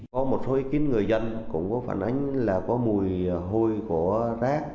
có một số ý kiến người dân cũng có phản ánh là có mùi hôi của rác